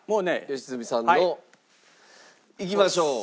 良純さんの。いきましょう。